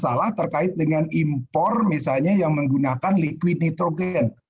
masalah terkait dengan impor misalnya yang menggunakan liquid nitrogen